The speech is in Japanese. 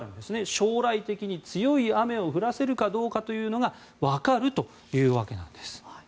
将来的に強い雨を降らせるかどうかが分かるというわけなんです。